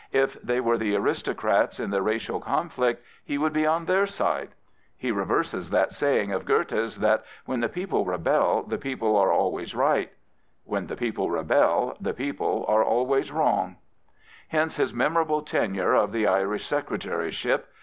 If they were the aristocrats in the racial conflict, he would be on their side. IJe reverses that saying of Goethe's that when the people rebel the people a^e alwa)^ right/' When the people rebel the people are always wrong. Hence his memorable tenure of the Irish Secretary ship.